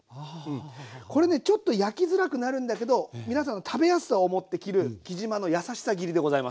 これねちょっと焼きづらくなるんだけど皆さんの食べやすさを思って切るきじまの優しさ切りでございます。